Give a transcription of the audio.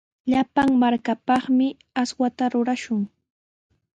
Llapan markapaqmi aswata rurashun.